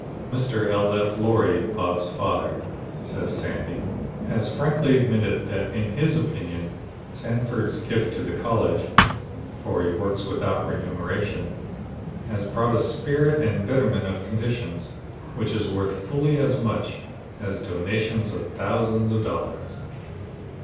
"Mr. L. F. Loree, Bob's father," says Sandy, "has frankly admitted that in his opinion Sanford's gift to the college (for he works without remuneration) has brought a spirit and a betterment of conditions which is worth fully as much as donations of thousands of dollars.